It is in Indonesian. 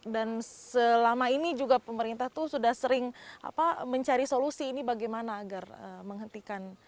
dan selama ini juga pemerintah itu sudah sering mencari solusi ini bagaimana agar menghentikan